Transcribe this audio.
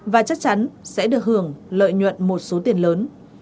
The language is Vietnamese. và chắc chắn sẽ được hưởng lợi nhuận một số tiền lớn